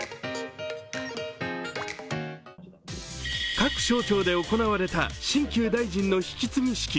各省庁で行われた新旧大臣の引き継ぎ式。